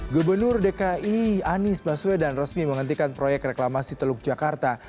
gubernur dki anies baswedan resmi menghentikan proyek reklamasi teluk jakarta